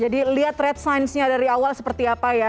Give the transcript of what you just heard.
jadi lihat red signs nya dari awal seperti apa ya